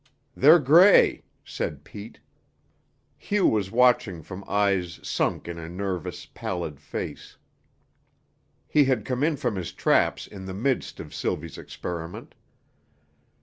"They're gray," said Pete. Hugh was watching from eyes sunk in a nervous, pallid face. He had come in from his traps in the midst of Sylvie's experiment.